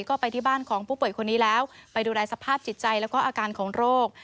ก็ไปที่บ้านของผู้ป่วยคนนี้แล้วไปดูแลสภาพจิตใจแล้วก็อาการของโรค